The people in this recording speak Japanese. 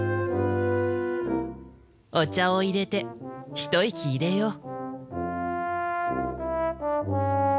お茶をいれて一息入れよう。